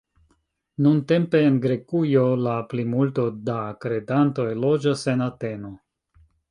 Nuntempe en Grekujo la plimulto da kredantoj loĝas en Ateno.